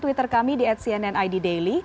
twitter kami di at cnn id daily